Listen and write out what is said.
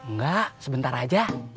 nggak sebentar aja